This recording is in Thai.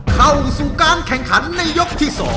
เข้าสู่การแข่งขันในยกที่๒